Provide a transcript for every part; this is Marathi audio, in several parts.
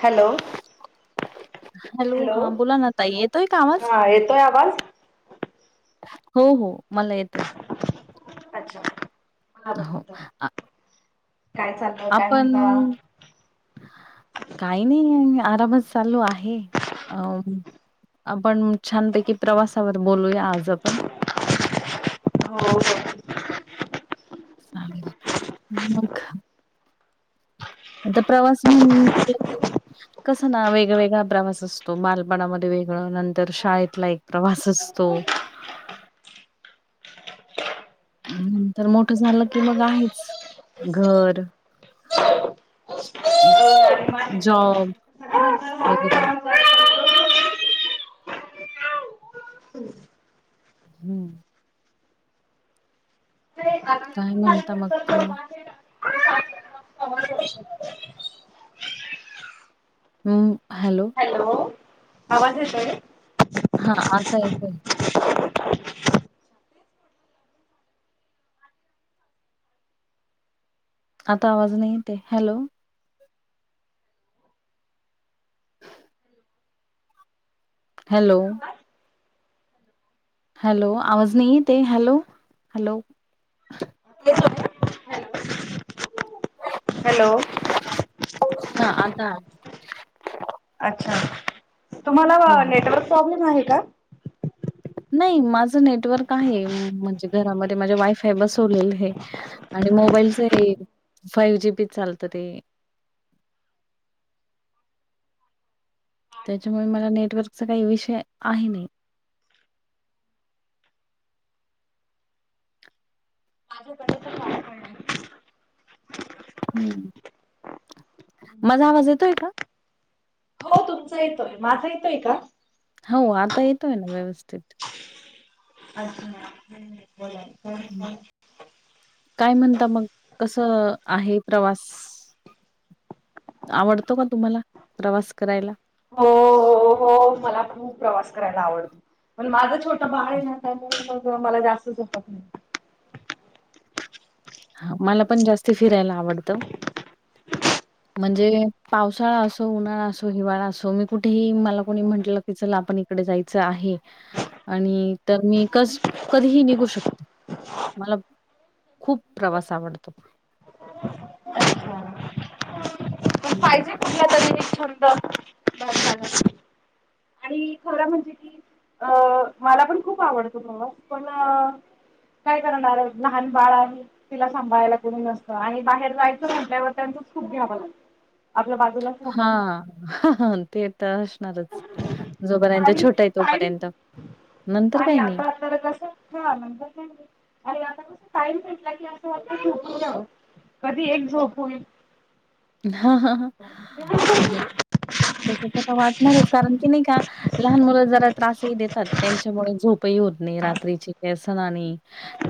हॅलो हॅलो हा बोला ना ताई येतोय का आवाज? हा येतोय आवाज? हो हो मला येतोय. अच्छा मला हो आ काय चालय? आपण काही नाही आरामच चालू आहे अ आपण छानपैकी प्रवासावर बोलूया आज आपण हो हो मग आता प्रवास म्हण कसं ना वेगवेेगळा प्रवास असतो, मणामध्ये वेगळं नंतर शाळेतला एक प्रवास असतो. नंतर मोठ झालं की मग आहेच घर - जॉब वगैरे हम्म काय म्हणता मग तुम्ही? [inaudible] हॅलो आवाज येतोय. हा आता येतोय. आता आवाज नाही येतेय हॅलो हॅलो हॅलो आवाज नाही येतये हॅलो, हॅलो हॅलो हा आता अच्छा तुम्हाला हं, हं. नेटवर्क प्रॉब्लेम आहे का? नाही माझं नेटवर्क आहे म्हणजे घरामध्ये माझे वायफाय बसवलेलं आहे. आणि मोबाईलच फाईव जी बी चालत ते. त्याच्यामुळे मला नेटवर्कचा काही विषय आहे नाही. माझ्याकडे पण वायफाय आहे. हम्, माझा आवाज येतोय का? हो तुमचा येतोय माझा येतोय का? हो आता येतोय ना व्यवस्थित. अच्छा. [inaudible] हं. [unintelligible] काय म्हणता मग कसं आहे प्रवास. आवडतो का तुम्हाला प्रवास करायला. हो हो हो मला खूप प्रवास करायला आवडत प माज छो छोट् बाळ ये ना मग मला जास्त जमत नाही हा मला पण जास्त फिरायला आवडतं. म्हणजे पावसाळा असो, उन्हाळा असो, हिवाळा असो मी कुठेही मला कोणी म्हटलं की चला आपण कडे जायचा आहे आणि तर मी कस कधीही निघू शकते. मला खूप प्रवास आवडतो. पण हम्म पाहिजे कुठला तरी एक छंद [unintelligible] थोड्या म्हणजे की अ मला पण खूप आवडतो प्रमुख पण काय करणार लहान बाळ आहे. तिला सांभाळायला कोणी नसतं आणि बाहेर जायचं म्हटल्यावर त्यांचंच खूप घ्यावं लागतं. आपल्या बाजूला हा. ते तर अशणारच जोपर्यंत आणि छोटा आहे टाईम तोपर्यंत नंतर आणि काही नाही. आता तर कसं हा नंतर काय नाही आणि आता कसं टाइम भेटला की असं वाटतं झोपून जाऊ. कधी एक झोप होईल. असं वाटतं. तसं तर वाटणारच कारण की नाही का लहान मुलं जरा त्रासही देतात त्यांच्यामुळे झोप ही होत नाई रात्रीची केसन आणि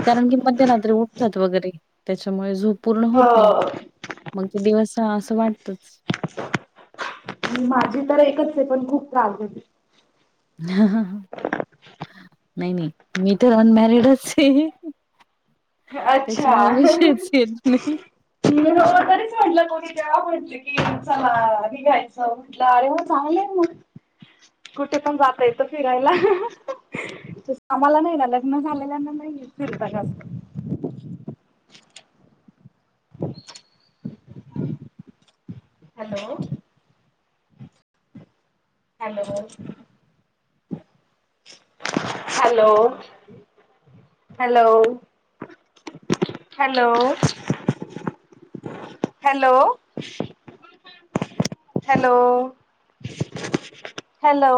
कारण की मध्यरात्री उठतात वगैरे त्याच्यामुळे झोप पूर्ण होत नाही हो मग ते दिवस असं वाटतच. माझी तर एकच आहे पण खूप त्रास देतो. नाही नाही मी तर अनमॅरिडच आहे. अच्छा त्याचामूळे विषयच येत नाही. [unintelligible] तरीच म्हटलं कोणी तेव्हा म्हटलं की चल हा हे घ्यायचं म्हटलं अरे हो चांगलंय म. ह कुठे पण जाता येतं फिरायला. आम्हाला नाही ना लग्न झालेल्यां ना नाहीे फिरता जास्त. व ह व ह hello hello hello. Hello hello. Hello hello hello.